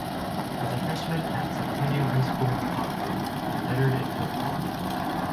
As a freshman at Centennial High School in Compton, he lettered in football.